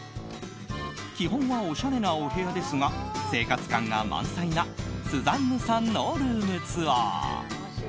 基本はおしゃれなお部屋ですが生活感が満載なスザンヌさんのルームツアー。